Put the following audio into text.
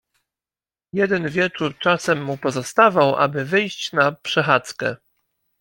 "Jeden wieczór czasem mu pozostawał, aby wyjść na przechadzkę."